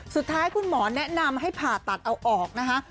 สุดท้ายคุณหมอแนะนำให้ผ่าตัดเอาออกนะคะ